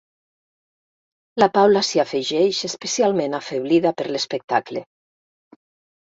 La Paula s'hi afegeix, especialment afeblida per l'espectacle.